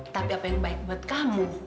tapi apa yang baik buat kamu